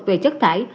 về chất thải